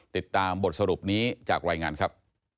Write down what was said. ติดตามบทสรุปนี้จากรายงานครับ